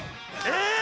えっ！